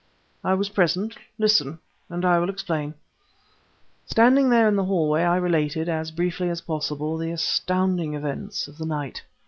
"I was present! Listen, and I will explain." Standing there in the hallway I related, as briefly as possible, the astounding events of the night.